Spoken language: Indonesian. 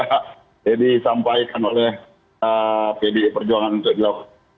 jadi disampaikan oleh pd perjuangan untuk dilakukan